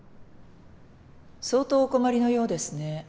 相当お困りのようですね。